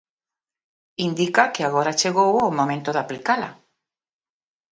Indica que agora chegou o momento de aplicala.